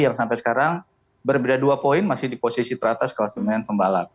yang sampai sekarang berbeda dua poin masih di posisi teratas kelas sembilan pembalap